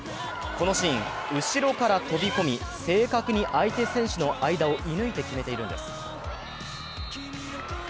このシーン、後ろから飛び込み正確に相手選手の間を射ぬいて決めているんです。